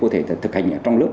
thực hành trong lớp